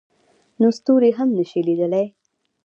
نو ستوري هم نه شي لیدلی.